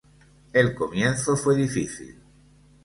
El comienzo fue difícil.